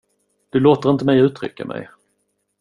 Du låter inte mig uttrycka mig.